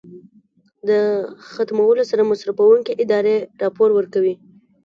د ختمولو سره مصرفوونکې ادارې راپور ورکوي.